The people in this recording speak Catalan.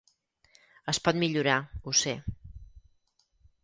Es pot millorar; ho sé.